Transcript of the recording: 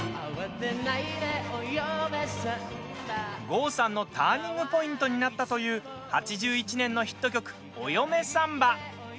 郷さんのターニングポイントになったという８１年のヒット曲「お嫁サンバ」。